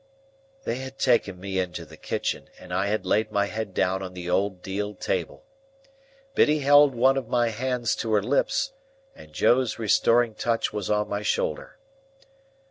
They had taken me into the kitchen, and I had laid my head down on the old deal table. Biddy held one of my hands to her lips, and Joe's restoring touch was on my shoulder.